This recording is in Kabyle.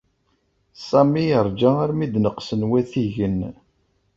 Sami yeṛja armi d-neqsen watigen.